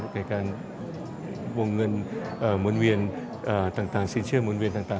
ในการปวงเงินสินเชื่อหมุนเวียนต่าง